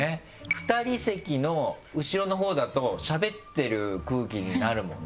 ２人席の後ろのほうだとしゃべってる空気になるもんね。